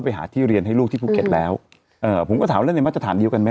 ไปหาที่เรียนให้ลูกที่ภูเก็ตแล้วเอ่อผมก็ถามเล่นในมาตรฐานเดียวกันไหม